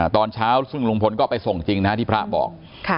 ตอนเช้าซึ่งลุงพลก็ไปส่งจริงนะฮะที่พระบอก